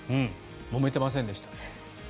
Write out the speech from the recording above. もめてませんでした。